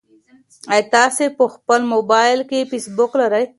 ایا تاسي په خپل موبایل کې فېسبوک لرئ؟